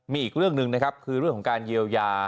มีอีกเรื่องหนึ่งนะครับคือเรื่องของการเยียวยา